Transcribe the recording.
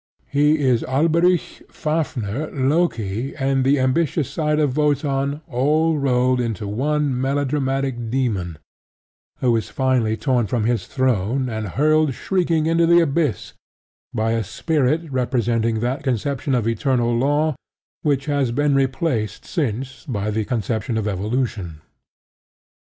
He is Alberic, Fafnir Loki and the ambitious side of Wotan all rolled into one melodramatic demon who is finally torn from his throne and hurled shrieking into the abyss by a spirit representing that conception of Eternal Law which has been replaced since by the conception of Evolution.